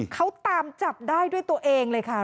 เขาตามจับได้ด้วยตัวเองเลยค่ะ